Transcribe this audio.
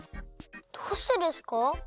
どうしてですか？